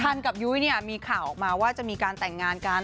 กับยุ้ยเนี่ยมีข่าวออกมาว่าจะมีการแต่งงานกัน